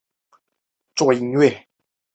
全家人都非常鼓励他做音乐。